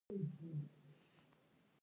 د ټوکر رنګ يې په لستوڼي کې بل ډول دی.